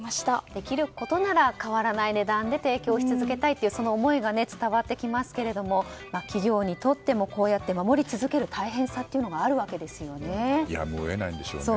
できることなら変わらない値段で提供し続けたいというその思いが伝わってきますけれど企業にとってもこうやって守り続ける大変さがやむを得ないんでしょうね。